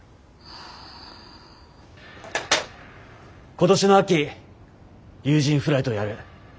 今年の秋有人フライトをやる。